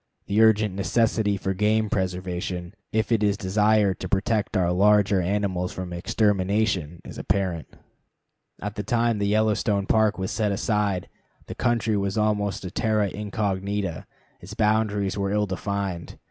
The urgent necessity for game preservation, if it is desired to protect our larger animals from extermination, is apparent. At the time the Yellowstone Park was set aside, the country was almost a terra incognita; its boundaries were ill defined.